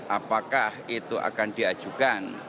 apakah itu akan diajukan